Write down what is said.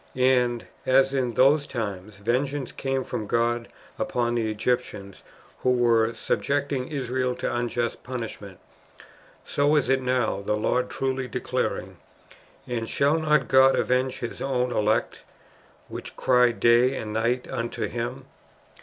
"^ And as, in those times, vengeance came from God upon the Egyptians who were subjecting Israel to unjust punishment, so is it now, the Lord truly declaring, *• And shall not God avenge His own elect, which cry day and night unto Him